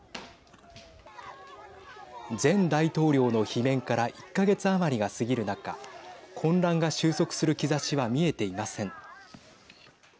前大統領の罷免から１か月余りが過ぎる中混乱が収束する兆しは見えていません。